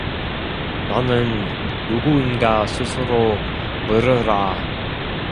나는 누구인가 스스로 물으라.